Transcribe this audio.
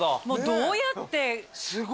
どうやって。